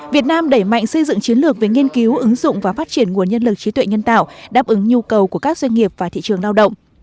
việt nam đẩy mạnh xây dựng chiến lược về nghiên cứu ứng dụng và phát triển nguồn nhân lực trí tuệ nhân tạo đáp ứng nhu cầu của các doanh nghiệp và thị trường lao động